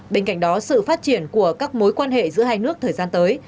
bên cạnh đó sự phát triển của các mối quan hệ giữa hai nước thời gian tới